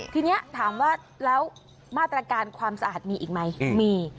ทีนี้ถามว่าแล้วมาตรการความสะอาดมีอีกไหมมี